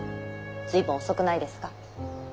随分遅くないですか。